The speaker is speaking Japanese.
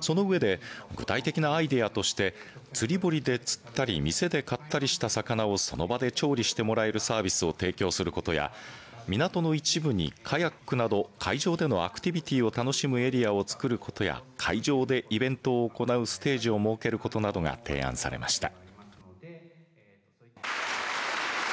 その上で具体的なアイデアとして釣堀でつったり店で買ったりした魚をその場で調理してもらえるサービスを提供することや港の一部にカヤックなど海上でのアクティビティを楽しむエリアを作ることや会場でイベントを行うステージを設けることなどが提案されました。